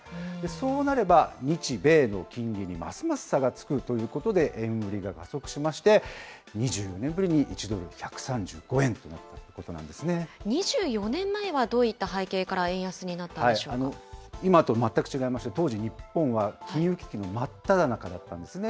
そうなれば、日米の金利にますます差がつくということで、円売りが加速しまして、２４年ぶりに１ドル１３５円となったということ２４年前は、どういった背景今と全く違いまして、当時、日本は金融危機の真っただ中だったんですね。